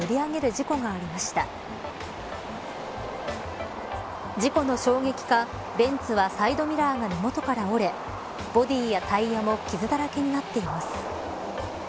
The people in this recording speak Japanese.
事故の衝撃かベンツはサイドミラーが根元から折れボディーやタイヤも傷だらけになっています。